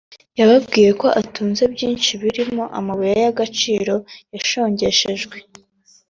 yababwiye ko atunze byinshi birimo amabuye y’agaciro yashongeshejwe